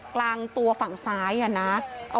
กลางตัวฝั่งซ้ายอะนะ